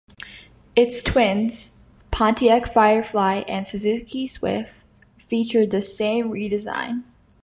Its twins, Pontiac Firefly and Suzuki Swift featured the same redesign.